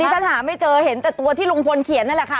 ฉันหาไม่เจอเห็นแต่ตัวที่ลุงพลเขียนนั่นแหละค่ะ